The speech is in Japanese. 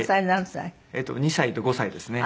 ２歳と５歳ですね。